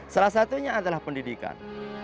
salah satunya adalah pendidikan